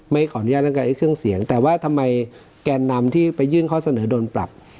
ขออนุญาตร่างกายเครื่องเสียงแต่ว่าทำไมแกนนำที่ไปยื่นข้อเสนอโดนปรับ